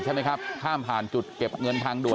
ใช่ไหมครับข้ามผ่านจุดเก็บเงินทางด่วน